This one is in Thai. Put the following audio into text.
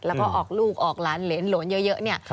แล้วก็ออกลูกออกหลานเหรนโหลนเยอะเนี่ย